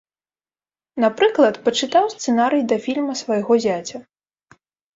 Напрыклад, пачытаў сцэнарый да фільма свайго зяця.